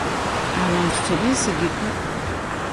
Abantu tebeesigika.